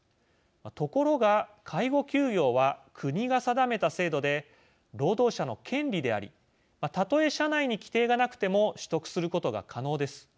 ところが介護休業は国が定めた制度で労働者の権利でありたとえ、社内に規定がなくても取得することが可能です。